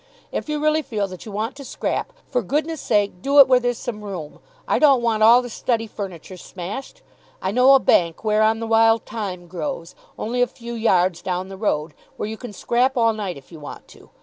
If you really feel that you want to scrap, for goodness sake do it where there's some room. I don't want all the study furniture smashed. I know a bank whereon the wild thyme grows, only a few yards down the road, where you can scrap all night if you want to.